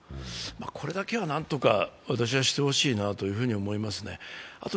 これだけは何とかしてほしいと思いますね。